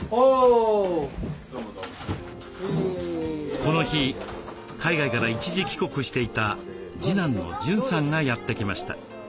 この日海外から一時帰国していた次男の潤さんがやって来ました。